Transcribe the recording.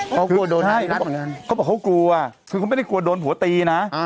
เขากลัวโดนให้นะเขาบอกเขากลัวคือเขาไม่ได้กลัวโดนผัวตีนะ